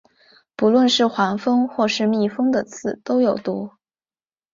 不论是黄蜂或是蜜蜂的刺都有毒。